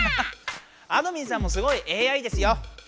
あどミンさんもすごいＡＩですよ。